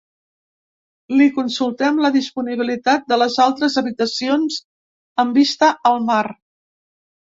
Li consultem la disponibilitat de les altres habitacions amb vista al mar.